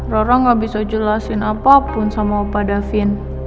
rara gak bisa jelasin apapun sama opa davin